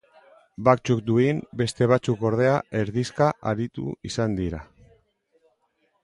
Batzuk duin, beste batzuk ordea, erdizka aritu izan dira.